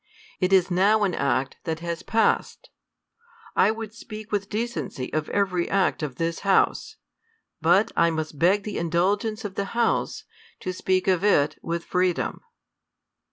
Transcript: It is now an act that has passed. I would speak with decency of every act of this House ; but I must beg the indulgence of the House to speak of it with freedom.